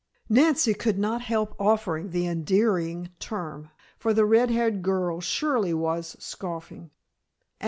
Nancy could not help offering the endearing term, for the red haired girl surely was scoffing.